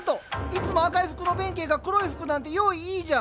いつも赤い服の弁慶が黒い服なんて用意いいじゃん。